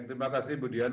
terima kasih bu dian